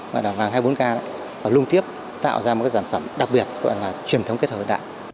vàng hai mươi bốn k và lung tiếp tạo ra một dòng sản phẩm đặc biệt gọi là truyền thống kết hợp hiện đại